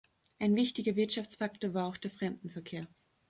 Ein wichtiger Wirtschaftsfaktor war auch der Fremdenverkehr.